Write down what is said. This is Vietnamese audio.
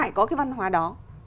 phải có cái văn hóa đó